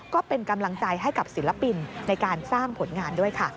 ก็เป็นกำลังใจให้กับศิลปินในการสร้างผลงานด้วยค่ะ